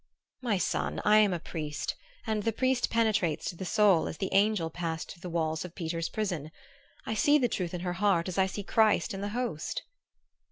"My son, I am a priest, and the priest penetrates to the soul as the angel passed through the walls of Peter's prison. I see the truth in her heart as I see Christ in the host!"